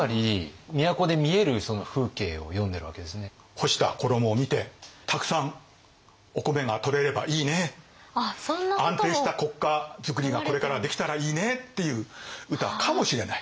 干した衣を見てたくさんお米がとれればいいね安定した国家づくりがこれからできたらいいねっていう歌かもしれない。